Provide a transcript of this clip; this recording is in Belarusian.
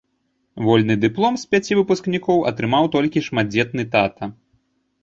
Вольны дыплом з пяці выпускнікоў атрымаў толькі шматдзетны тата.